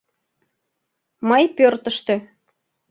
Мый — пӧртыштӧ.